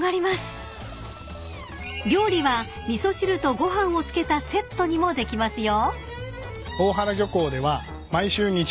［料理は味噌汁とご飯を付けたセットにもできますよ］